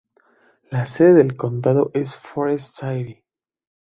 La sede del condado es Forest City.